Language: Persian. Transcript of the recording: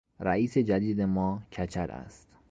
رئیس جدید ما کچل است.